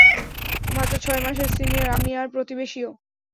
মাত্র ছয় মাসের সিনিয়র আমি আর প্রতিবেশীও।